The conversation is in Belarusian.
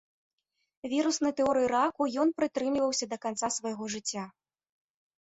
Віруснай тэорыі раку ён прытрымліваўся да канца свайго жыцця.